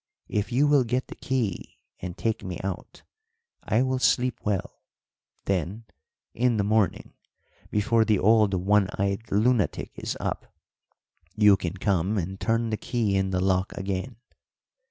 If you will get the key, and take me out, I will sleep well; then in the morning, before the old one eyed lunatic is up, you can come and turn the key in the lock again.